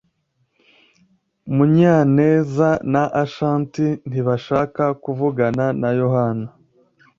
Munyanez na Ashanti ntibashaka kuvugana na Yohana.